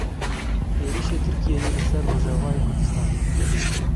Êrişê Tirkiyeyê li ser Rojavayê Kurdistanê.